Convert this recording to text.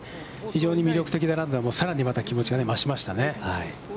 非常に魅力的だなと、さらにまた気持ちが増しましたね。